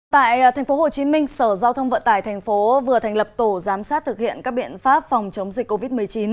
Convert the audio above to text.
tại tp hcm sở giao thông vận tải tp vừa thành lập tổ giám sát thực hiện các biện pháp phòng chống dịch covid một mươi chín